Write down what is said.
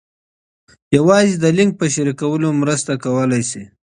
یوازې د لینک په شریکولو مرسته کولای سئ.